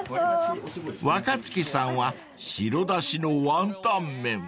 ［若槻さんは白だしのワンタン麺］